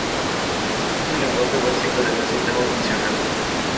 Es el lenguaje básico de un sistema funcional.